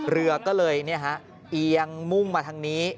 เรือก็เลยเนี่ยฮะเอียงมุ่งมาทางนี้